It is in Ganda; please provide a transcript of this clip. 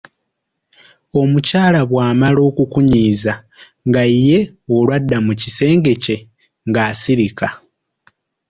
"Omukyala bw'amala okukunyiiza, nga ye olwo adda mu kisenge kye nga asirika."